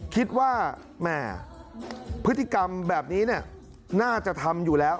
แม่พฤติกรรมแบบนี้น่าจะทำอยู่แล้ว